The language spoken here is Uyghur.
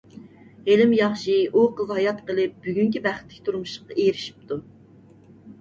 ھېلىمۇ ياخشى ئۇ قىز ھايات قېلىپ بۈگۈنكى بەختلىك تۇرمۇشقا ئېرىشىپتۇ.